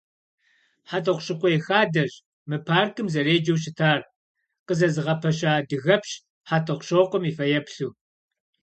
«ХьэтӀохъущыкъуей хадэщ» мы паркым зэреджэу щытар, къызэзыгъэпэща адыгэпщ ХьэтӀохъущокъуэм и фэеплъу.